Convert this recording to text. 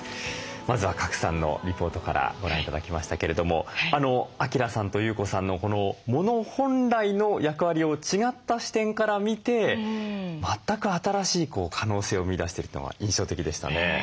まずは賀来さんのリポートからご覧頂きましたけれども晃さんと優子さんのもの本来の役割を違った視点から見て全く新しい可能性を見いだしてるというのが印象的でしたね。